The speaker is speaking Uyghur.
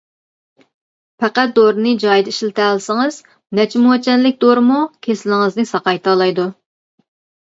پەقەت دورىنى جايىدا ئىشلىتەلىسىڭىز نەچچە موچەنلىك دورىمۇ كېسىلىڭىزنى ساقايتالايدۇ.